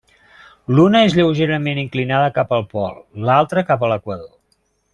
L'una és lleugerament inclinada cap al pol, l'altra cap a l'equador.